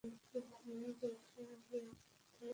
মুনির বলল, আমি আপনার জন্যে দুটো জিনিস ওখান থেকে নিয়ে এসেছি।